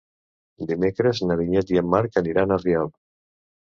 Dimecres na Vinyet i en Marc aniran a Rialp.